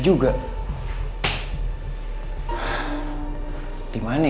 ditengah dosa buat saya